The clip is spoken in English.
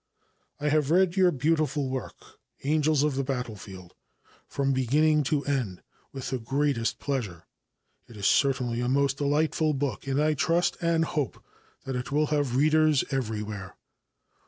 "I have read your beautiful work, 'Angels of the Battlefield,' from beginning to end, with the greatest pleasure. It is certainly a most delightful book, and I trust and hope that it will have readers everywhere."